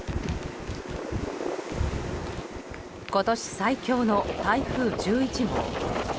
今年最強の台風１１号。